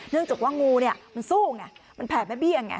เนื่องจากว่างูเนี่ยมันซุ่งอ่ะมันแผลไม่เบี้ยงอ่ะ